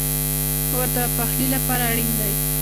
اور د پخلی لپاره اړین دی